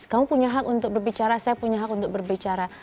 kamu punya hak untuk berbicara saya punya hak untuk berbicara